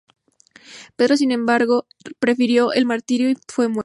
Pedro, sin embargo, prefirió el martirio y fue muerto.